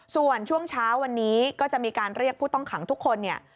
ส่วนช่วงเช้าวันนี้ก็จะมีการเรียกผู้ต้องขังทุกคนเนี่ย